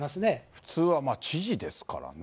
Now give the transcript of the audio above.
普通は知事ですからね。